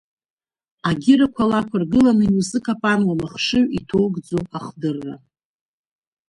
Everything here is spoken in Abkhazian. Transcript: Агьырақәа лақәыргыланы, иузыкапануам ахшыҩ иҭоугӡо ахдырра.